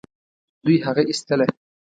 دوی هغه ايستله.